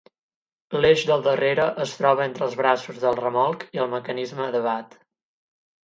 L'eix del darrera es troba entre els braços del remolc i el mecanisme de Watt.